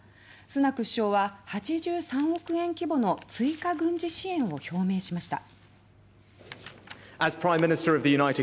スナク首相は８３億円規模の追加軍事支援を表明しました。